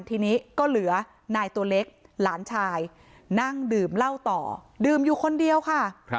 ทีนี้ก็เหลือนายตัวเล็กหลานชายนั่งดื่มเหล้าต่อดื่มอยู่คนเดียวค่ะ